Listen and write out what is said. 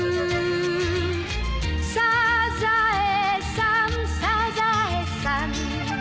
「サザエさんサザエさん」